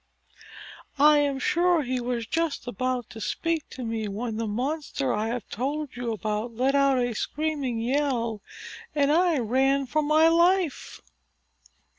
"I am sure he was just about to speak to me when the monster I have told you about let out a screaming yell, and I ran for my life."